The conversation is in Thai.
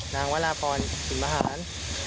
นางวัลลาปรนสิมหาหาร